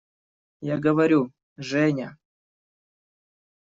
Я говорю: «Женя…»